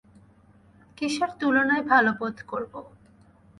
কীসের তুলনায় ভালো বোধ করব?